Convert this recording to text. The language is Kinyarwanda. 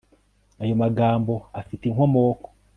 Ayo magambo afite inkomoko ishaje cyane